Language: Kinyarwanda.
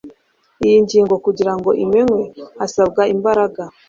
iyi ngingo kugira ngo imenywe hasabwa imbaraga